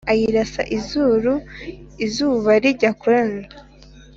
Ayirasa izuru izuba rijya kurenga